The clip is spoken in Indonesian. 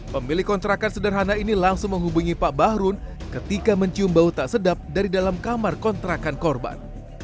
pemilik kontrakan sederhana ini langsung menghubungi pak bahrun ketika mencium bau tak sedap dari dalam kamar kontrakan korban